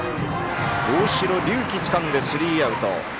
大城龍紀つかんでスリーアウト。